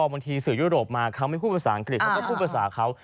บางทีสื่อยุโรปมาเขาไม่พูดภาษาอังกฤษเขาก็พูดภาษาเขา